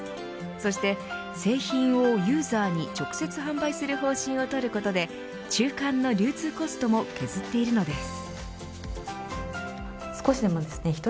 そして製品をユーザーに直接販売する方針を取ることで中間の流通コストも削っているのです。